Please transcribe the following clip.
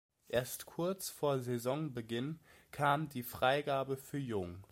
Erst kurz vor Saisonbeginn kam die Freigabe für Jung.